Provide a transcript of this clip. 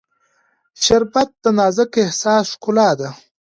شربت د نازک احساس ښکلا ده